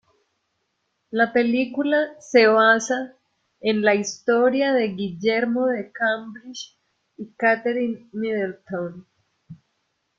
La película se basa en la historia de Guillermo de Cambridge y Catherine Middleton.